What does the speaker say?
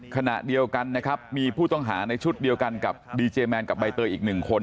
ขณะเดียวกันนะครับมีผู้ต้องหาในชุดเดียวกันกับดีเจแมนกับใบเตยอีกหนึ่งคน